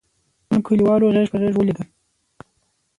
نن کلیوالو غېږ په غېږ ولیدل.